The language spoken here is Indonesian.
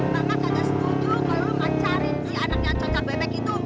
mama nggak setuju kalau lo ngecarin si anaknya conca bebek itu